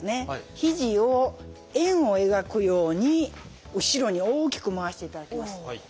ひじを円を描くように後ろに大きく回していただきます。